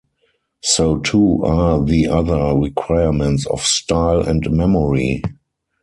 So too are the other requirements of "Style" and "Memory".